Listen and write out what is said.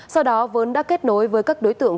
sau đó vốn đã kết nối với các đối tượng